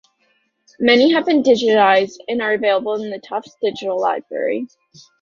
Many have been digitized and are available in the Tufts Digital Library.